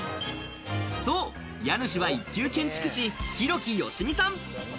そう、家主は一級建築士、廣木芳美さん。